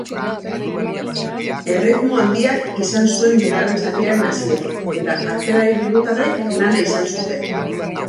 Erritmo handiak izan zuen bigarren zatiaren hasierak eta atzelari bilbotarrek lana izan zuten.